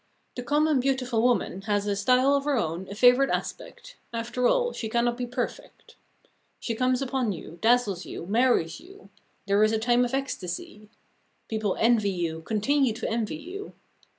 The common beautiful woman has a style of her own, a favourite aspect. After all, she cannot be perfect. She comes upon you, dazzles you, marries you; there is a time of ecstasy. People envy you, continue to envy you.